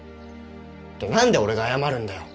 って何で俺が謝るんだよ！